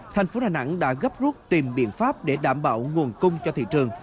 thành phố đà nẵng đã gấp rút tìm biện pháp để đảm bảo nguồn cung cho thị trường